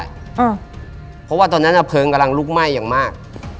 เพราะว่าตอนนั้นอ่ะเพลิงกำลังลุกไหม้อย่างมาก